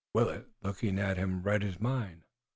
Willet, looking at him, read his mind.